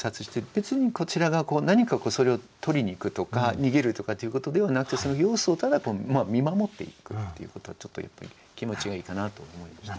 別にこちらが何かそれを取りにいくとか逃げるとかっていうことではなくてその様子をただ見守っていくっていうことちょっと気持ちがいいかなと思いました。